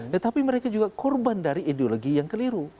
tetapi mereka juga korban dari ideologi yang keliru